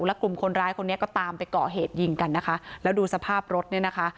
แล้วกลุ่มคนร้ายคนนี้ก็ตามไปก่อเหตุยิงกันนะคะแล้วดูสภาพรถเนี่ยนะคะ